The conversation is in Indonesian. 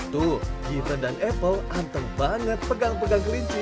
tuh given dan apple anteng banget pegang pegang kelinci